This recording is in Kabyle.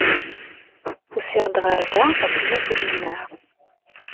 Usiɣ-d ɣer da akken ad k-id-menɛeɣ.